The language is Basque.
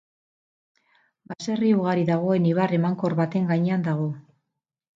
Baserri ugari dagoen ibar emankor baten gainean dago.